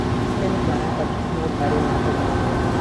ئێمە توانای خەرچکردنی ئەو پارەیەمان نەبوو